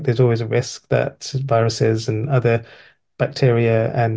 tapi ada selalu risiko bahwa virus dan bakteri lainnya